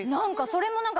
それも何か。